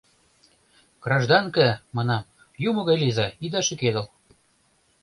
— Гражданка, — манам, — юмо гай лийза, ида шӱкедыл.